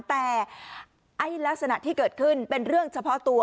แต่ลักษณะที่เกิดขึ้นเป็นเรื่องเฉพาะตัว